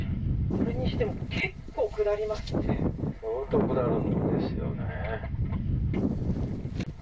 それにしても相当下るんですよね。